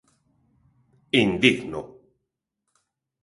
¡Indigno!